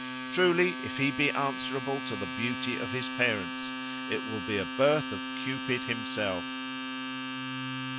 Truly if he be answerable to the beauty of his parents, it will be a birth of Cupid himself."